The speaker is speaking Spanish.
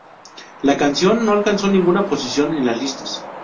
La canción no alcanzó ninguna posición en las listas.